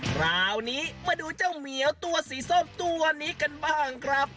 คราวนี้มาดูเจ้าเหมียวตัวสีส้มตัวนี้กันบ้างครับ